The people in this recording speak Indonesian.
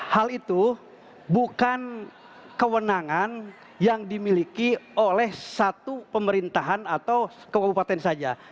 hal itu bukan kewenangan yang dimiliki oleh satu pemerintahan atau kabupaten saja